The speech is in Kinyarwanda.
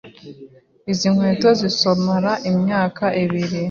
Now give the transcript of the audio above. Izi nkweto zizomara imyaka ibiri.